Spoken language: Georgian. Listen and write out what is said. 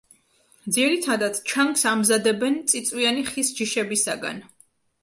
ძირითადად, ჩანგს ამზადებენ წიწვიანი ხის ჯიშებისაგან.